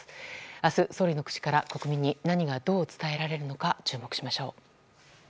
明日、総理の口から国民に何がどう伝えられるか注目しましょう。